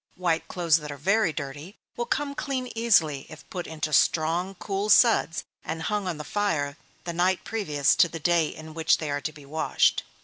White clothes that are very dirty, will come clean easily if put into strong, cool suds and hung on the fire the night previous to the day in which they are to be washed.